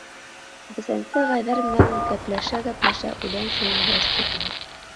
Бесәнсе ағайҙар менән, гәпләшә-гәпләшә, үлән сәйен дә эстек.